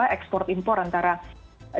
ekspor impor antara negara negara